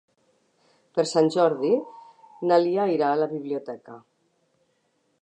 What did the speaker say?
Per Sant Jordi na Lia irà a la biblioteca.